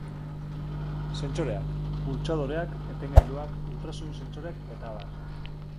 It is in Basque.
Sentsoreak: pultsadoreak, etengailuak, ultrasoinu sentsoreak eta abar.